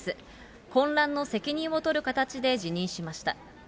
混乱の責任を取る形で辞任しました。